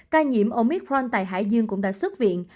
ca nhiễm omicron tại hải dương cũng đã xuất viện